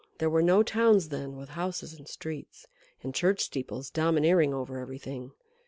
There were no towns then with houses and streets, and church steeples domineering over everything.